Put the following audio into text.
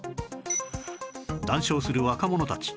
談笑する若者たち